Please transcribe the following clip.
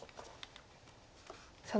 さあ